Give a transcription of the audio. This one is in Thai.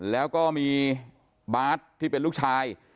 แล้วก็มีบาสที่เป็นลูกชาย